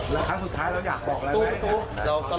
แล้วครั้งสุดท้ายเราอยากบอกอะไรไหม